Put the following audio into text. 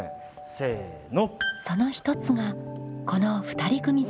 せの。